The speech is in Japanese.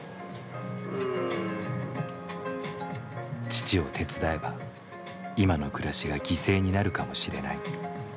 父を手伝えば今の暮らしが犠牲になるかもしれない。